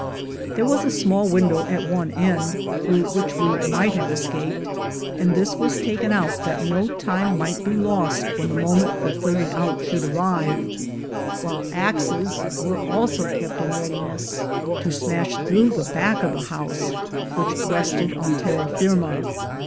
There was a small window at one end through which we might have escaped, and this was taken out that no time might be lost when the moment for clearing out should arrive, while axes also were kept in readiness, to smash through the back of the house, which rested on terra firma.